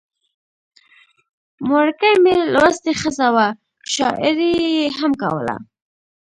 مورکۍ مې لوستې ښځه وه، شاعري یې هم کوله.